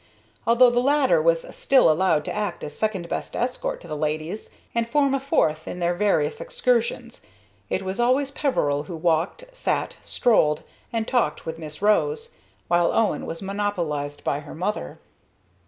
Although the latter was still allowed to act as second best escort to the ladies, and form a fourth in their various excursions, it was always Peveril who walked, sat, strolled, and talked with Miss Rose, while Owen was monopolized by her mother.